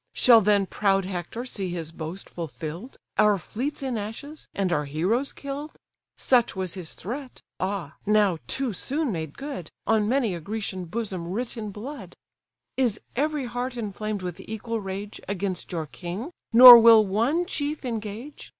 Shall then proud Hector see his boast fulfill'd, Our fleets in ashes, and our heroes kill'd? Such was his threat, ah! now too soon made good, On many a Grecian bosom writ in blood. Is every heart inflamed with equal rage Against your king, nor will one chief engage?